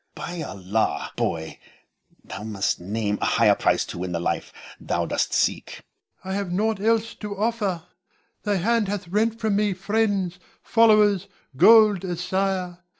By Allah! boy, thou must name a higher price to win the life thou doth seek. Ion. I have nought else to offer. Thy hand hath rent from me friends, followers, gold, a sire.